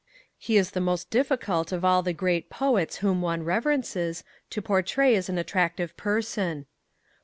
He is the most difficult of all the great poets whom one reverences to portray as an attractive person.